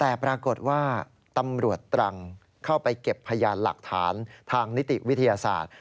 แต่ปรากฏว่าตำรวจตรังเข้าไปเก็บพยานหลักฐานทางนิติวิทยาศาสตร์